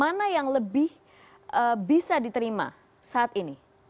mana yang lebih bisa diterima saat ini